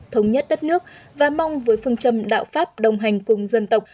thống nhất đất nước và mong với phương châm đạo pháp đồng hành cùng dân tộc